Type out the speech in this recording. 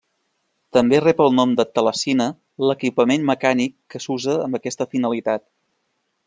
També rep el nom de telecine l'equipament mecànic que s'usa amb aquesta finalitat.